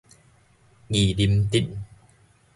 二林鎮